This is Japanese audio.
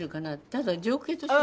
ただ情景として。